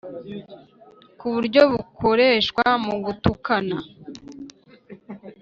ku buryo bukoreshwa mu gutukana